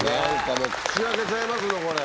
もう口開けちゃいますねこれ。